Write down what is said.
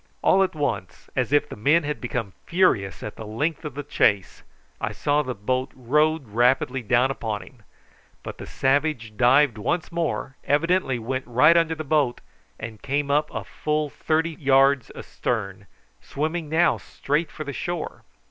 All at once, as if the men had become furious at the length of the chase, I saw the boat rowed rapidly down upon him; but the savage dived once more, evidently went right under the boat, and came up full thirty yards astern, swimming now straight for the shore.